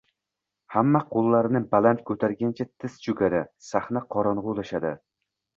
Hamma qo‘llarini baland ko‘targancha, tiz cho‘kadi. Sahna qorong‘ilashadi…